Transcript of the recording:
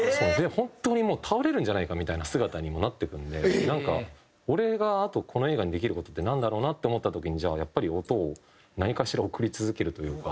本当にもう倒れるんじゃないかみたいな姿にもなっていくんでなんか俺があとこの映画にできる事ってなんだろうなって思った時にじゃあやっぱり音を何かしら送り続けるというか。